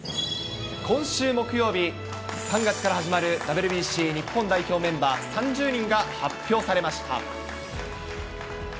今週木曜日、３月から始まるＷＢＣ日本代表メンバー３０人が発表されました。